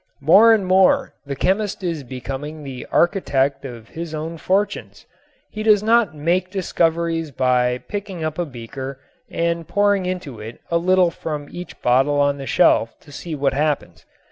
More and more the chemist is becoming the architect of his own fortunes. He does not make discoveries by picking up a beaker and pouring into it a little from each bottle on the shelf to see what happens.